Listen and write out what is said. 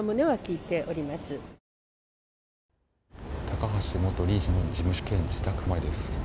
高橋元理事の事務所兼自宅前です。